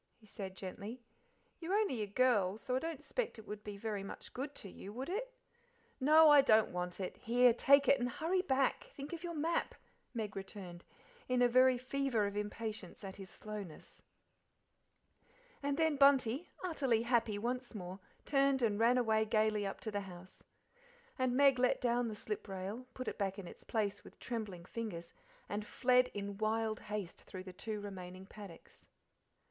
he said gently. "You're only a girl, so I don't 'spect it would be very much good to you, would it?" "No, I don't want it. Here, take it, and hurry back: think of your map," Meg returned, in a very fever of impatience at his slowness. And then Bunty, utterly happy once more, turned and ran away gaily up to the house. And Meg let down the slip rail, put it back in its place with trembling fingers, and fled in wild haste through the two remaining paddocks.